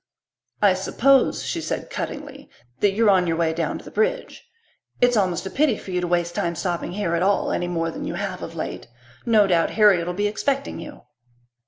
"I suppose," she said cuttingly, "that you're on your way down to the bridge. It's almost a pity for you to waste time stopping here at all, any more than you have of late. No doubt Harriet'll be expecting you."